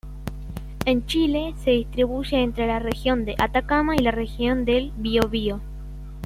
En Chile se distribuye entre la Región de Atacama y la Región del Biobio.